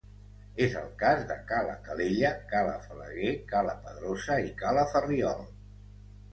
És el cas de Cala Calella, Cala Falaguer, Cala Pedrosa i Cala Ferriol.